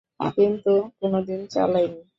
কিন্তু কোনদিন চালাইনি।